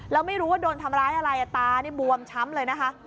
แล้วไม่รู้ว่าโดนทำร้ายอะไรตานี่บวมช้ำเลยนะคะ